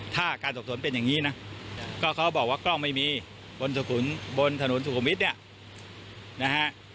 ถ้าการสอบสวนเป็นอย่างนี้นะก็เขาบอกว่ากล้องไม่มีบนถนนสุขุมวิทย์เนี่ยนะฮะ